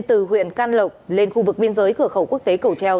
từ huyện can lộc lên khu vực biên giới cửa khẩu quốc tế cầu treo